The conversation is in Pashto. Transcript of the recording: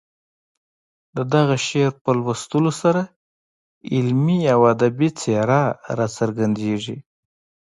د دغه شعر په لوستلو سره علمي او ادبي څېره راڅرګندېږي.